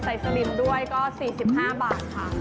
สลิมด้วยก็๔๕บาทค่ะ